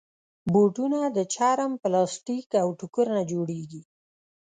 بوټونه د چرم، پلاسټیک، او ټوکر نه جوړېږي.